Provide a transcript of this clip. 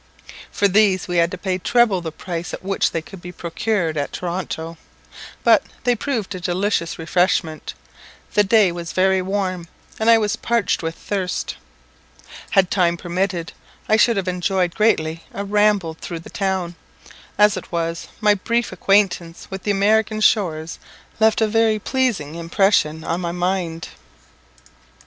For these we had to pay treble the price at which they could be procured at Toronto; but they proved a delicious refreshment, the day was very warm, and I was parched with thirst. Had time permitted, I should have enjoyed greatly a ramble through the town; as it was, my brief acquaintance with the American shores left a very pleasing impression on my mind.